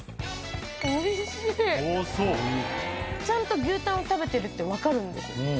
ちゃんと牛タンを食べてるって分かるんです。